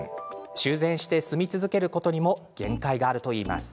修繕して住み続けることにも限界があるといいます。